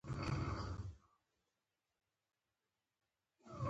زه د الله جل جلاله بنده یم، نه د دنیا بنده.